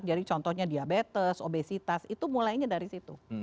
jadi contohnya diabetes obesitas itu mulainya dari situ